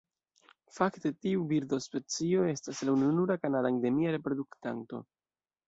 Fakte tiu birdospecio estas la ununura kanada endemia reproduktanto.